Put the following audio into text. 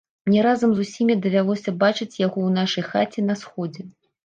Мне разам з усімі давялося бачыць яго ў нашай хаце на сходзе.